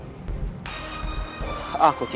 saya akan berhenti